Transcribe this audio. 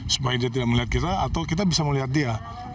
supaya dia tidak melihat kita atau kita bisa melihat dia